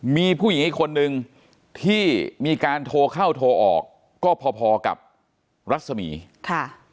มีผู้หญิงอีกคนนึงที่มีการโทรเข้าโทรออกก็พอพอกับรัศมีค่ะ